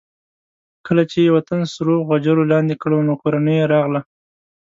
کله چې یې وطن سرو غجرو لاندې کړ نو کورنۍ یې راغله.